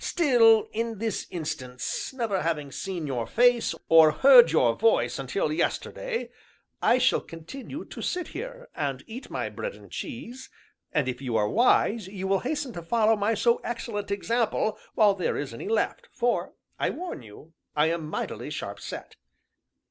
Still, in this instance, never having seen your face, or heard your voice until yesterday, I shall continue to sit here, and eat my bread and cheese, and if you are wise you will hasten to follow my so excellent example while there is any left, for, I warn you, I am mightily sharp set."